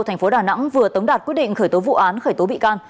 thành phố đà nẵng vừa tống đạt quyết định khởi tố vụ án khởi tố bị can